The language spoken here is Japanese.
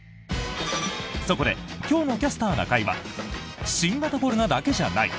そこで今日の「キャスターな会」は新型コロナだけじゃない！